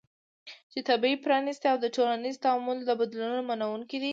چې طبیعي، پرانستې او د ټولنیز تعامل د بدلونونو منونکې وي